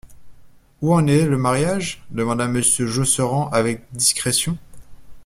Où en est le mariage ? demanda Monsieur Josserand avec discrétion.